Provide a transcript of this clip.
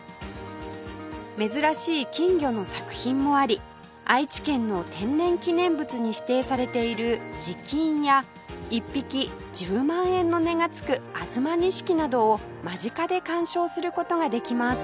珍しい金魚の作品もあり愛知県の天然記念物に指定されている地金や１匹１０万円の値がつく東錦などを間近で鑑賞する事ができます